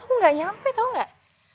aku gak nyampe tau gak